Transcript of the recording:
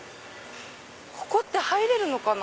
ここって入れるのかな？